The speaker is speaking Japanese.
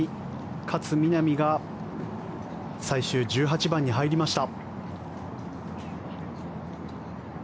勝みなみが最終１８番に入りました。